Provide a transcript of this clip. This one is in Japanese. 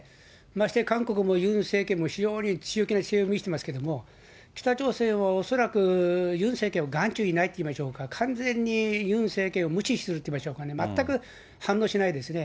まして韓国もユン政権も、非常に強気な姿勢を見せてますけど、北朝鮮は恐らく、ユン政権は眼中にないといいましょうか、完全にユン政権を無視するっていいましょうかね、全く反応しないですね。